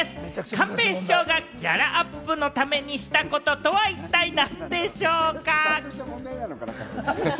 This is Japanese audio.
寛平師匠がギャラアップのためにしたこととは一体何でしょうか？